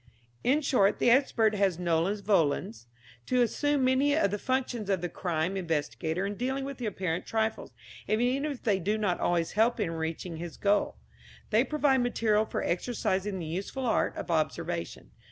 In short, the expert has, nolens volens, to assume many of the functions of the crime investigator in dealing with apparent trifles, and even if they do not always help him in reaching his goal, they provide material for exercising the useful art of observation.